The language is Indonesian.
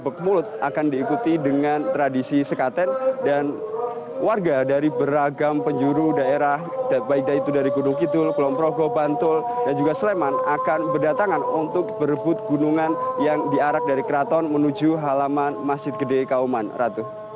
bek mulut akan diikuti dengan tradisi sekaten dan warga dari beragam penjuru daerah baik dari itu dari gunung kidul kulonprogo bantul dan juga sleman akan berdatangan untuk berebut gunungan yang diarak dari keraton menuju halaman masjid gede kauman ratu